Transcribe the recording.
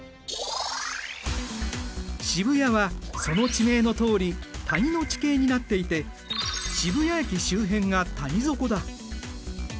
渋谷はその地名のとおり谷の地形になっていて渋谷駅周辺が谷底だ。